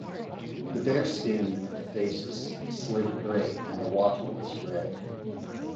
The bare skin of the face is slate gray and the wattle is red.